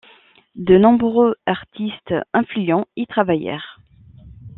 De nombreux artistes influents y travaillèrent.